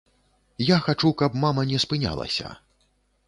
Я хачу, каб мама не спынялася.